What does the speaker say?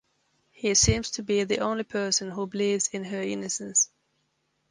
He seems to be the only person who believes in her innocence.